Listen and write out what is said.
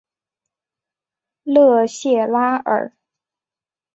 勒谢拉尔。